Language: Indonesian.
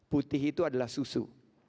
putih itu adalah susu